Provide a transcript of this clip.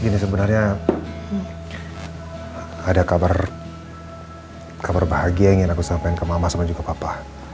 gini sebenarnya ada kabar kabar bahagia yang ingin aku sampaikan ke mama sama juga papa